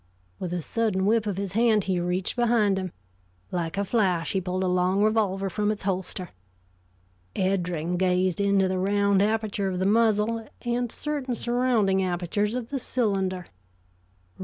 With a sudden whip of his hand he reached behind him. Like a flash he pulled a long revolver from its holster. Eddring gazed into the round aperture of the muzzle and certain surrounding apertures of the cylinder.